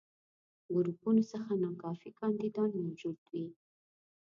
ګروپونو څخه ناکافي کانديدان موجود وي.